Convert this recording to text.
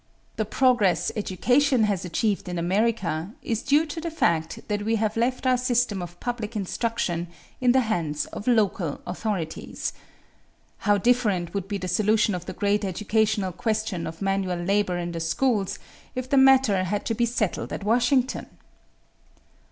The progress education has achieved in America is due to the fact that we have left our system of public instruction in the hands of local authorities. How different would be the solution of the great educational question of manual labor in the schools, if the matter had to be settled at Washington!